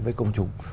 với công chúng